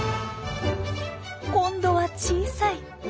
今度は小さい！